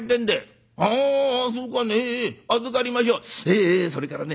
「えそれからね